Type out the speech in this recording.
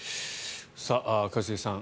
一茂さん